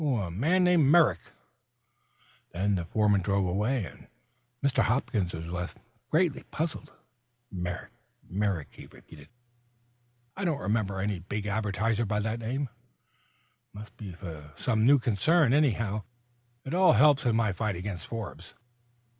"A man named Merrick." Then the foreman drove away, and Mr. Hopkins was left greatly puzzled. "Merrick Merrick!" he repeated. "I don't remember any big advertiser by that name. It must be some new concern. Anyhow, it all helps in my fight against Forbes."